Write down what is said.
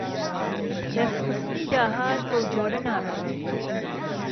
دهستخستنی داهات بهو جۆره نابێت